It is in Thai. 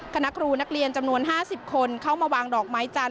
คณะครูนักเรียนจำนวน๕๐คนเข้ามาวางดอกไม้จันท